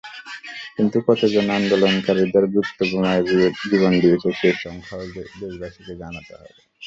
কিন্তু কতজন আন্দোলনকারীদের গুপ্ত বোমায় জীবন দিয়েছে, সেই সংখ্যাও দেশবাসীকে জানাতে হবে।